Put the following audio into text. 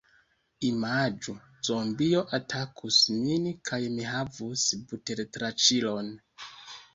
Imagu... zombio atakus min kaj mi havus butertranĉilon